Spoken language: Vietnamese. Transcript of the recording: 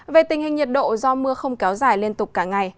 về tình hình nhiệt độ do mưa không kéo dài liên tục cả ngày